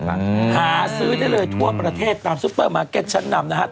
หาซื้อได้เลยทั่วประเทศตามซุปเปอร์มาร์เก็ตชั้นนำนะครับ